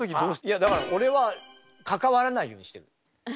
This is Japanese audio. いやだから俺は関わらないようにしてる。